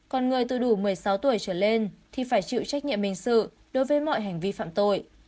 còn người từ đủ một mươi sáu tuổi trở lên thì phải chịu trách nhiệm hình sự đối với mọi hành vi phạm tội